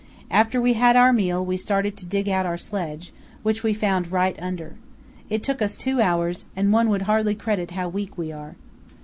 After we had our meal we started to dig out our sledge, which we found right under. It took us two hours, and one would hardly credit how weak we were.